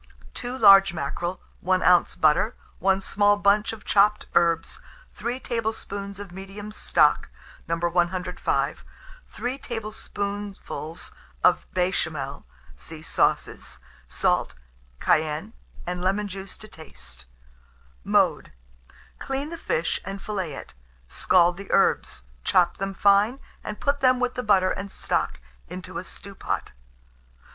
2 large mackerel, 1 oz. butter, 1 small bunch of chopped herbs, 3 tablespoonfuls of medium stock, No. 105, 3 tablespoonfuls of béchamel (see Sauces); salt, cayenne, and lemon juice to taste. Mode. Clean the fish, and fillet it; scald the herbs, chop them fine, and put them with the butter and stock into a stewpan.